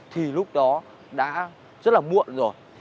thì lúc đó đã rất là muộn rồi